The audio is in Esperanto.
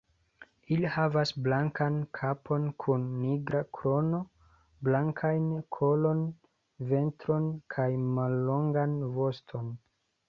Ili havas blankan kapon kun nigra krono, blankajn kolon, ventron kaj mallongan voston.